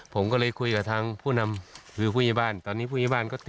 ผมก็เลยคุยกับผู้นำวิวพุทธยบาล